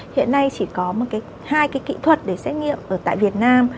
hiện nay chỉ có hai kỹ thuật để xét nghiệm ở tại việt nam